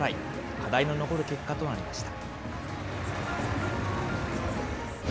課題の残る結果となりました。